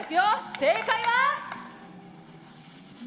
正解はＢ！